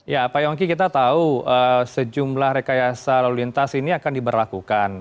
ya pak yongki kita tahu sejumlah rekayasa lalu lintas ini akan diberlakukan